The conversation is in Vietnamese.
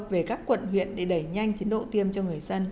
về các quận huyện để đẩy nhanh tiến độ tiêm cho người dân